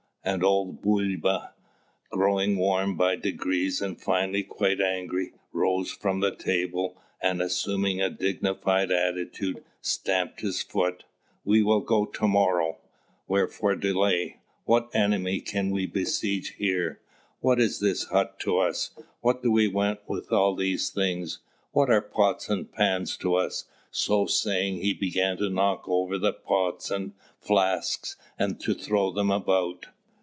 And old Bulba, growing warm by degrees and finally quite angry, rose from the table, and, assuming a dignified attitude, stamped his foot. "We will go to morrow! Wherefore delay? What enemy can we besiege here? What is this hut to us? What do we want with all these things? What are pots and pans to us?" So saying, he began to knock over the pots and flasks, and to throw them about.